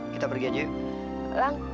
kita pergi aja yuk